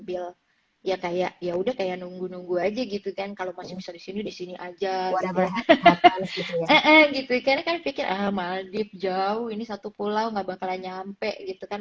iya gitu karena kan pikir ah maldib jauh ini satu pulau gak bakalan nyampe gitu kan